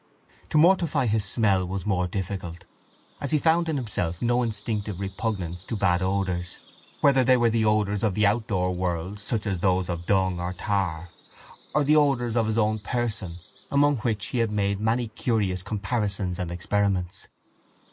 To mortify his smell was more difficult as he found in himself no instinctive repugnance to bad odours whether they were the odours of the outdoor world, such as those of dung or tar, or the odours of his own person among which he had made many curious comparisons and experiments.